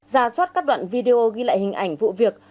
ra soát các đoạn video ghi lại hình ảnh vụ việc